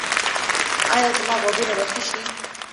ایا زما غوږونه به ښه شي؟